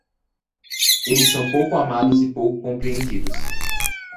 Eles são pouco amados e pouco compreendidos.